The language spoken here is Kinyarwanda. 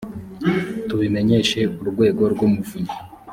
tubimenyeshe urwego rw ‘umuvunyi